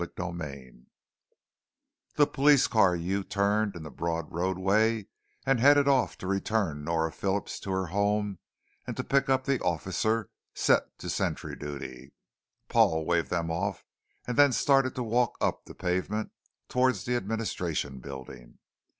_ CHAPTER 2 The police car U turned in the broad roadway and headed off to return Nora Phillips to her home and to pick up the officer set to sentry duty. Paul waved them off and then started to walk up the pavement towards the administration building.